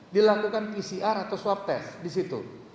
dilakukan pcr atau swab test di situ